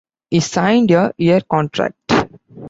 He signed a -year contract.